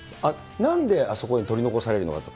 なんであそこで取り残されるのかと。